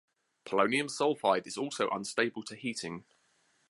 Polonium sulfide is also unstable to heating.